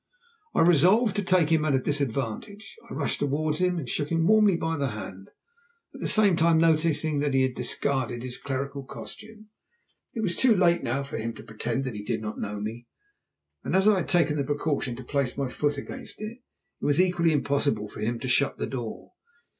Resolved to take him at a disadvantage, I rushed towards him and shook him warmly by the hand, at the same time noticing that he had discarded his clerical costume. It was too late now for him to pretend that he did not know me, and as I had taken the precaution to place my foot against it, it was equally impossible for him to shut the door.